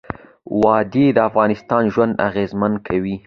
وادي د افغانانو ژوند اغېزمن کوي.